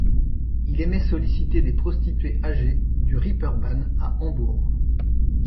Il aimait solliciter des prostituées âgées du Reeperbahn à Hambourg.